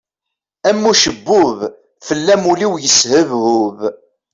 Am ucebbub, fell-am ul-iw yeshebhub.